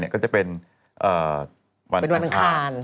ก็จะเป็นวันอังคาร